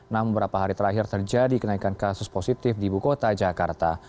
namun beberapa hari terakhir terjadi kenaikan kasus positif di ibu kota jakarta